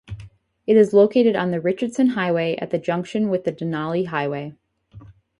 It is located on the Richardson Highway at the junction with the Denali Highway.